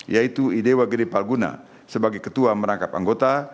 yaitu idewa gede palguna sebagai ketua merangkap anggota